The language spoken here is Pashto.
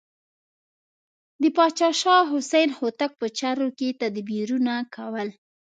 د پاچا شاه حسین هوتک په چارو کې تدبیرونه کول.